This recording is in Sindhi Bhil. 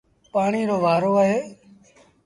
پآڻيٚ رو وآرو اهي۔